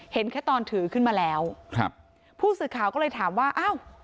เห็นแค่ตอนถือขึ้นมาแล้วครับผู้สื่อข่าวก็เลยถามว่าอ้าว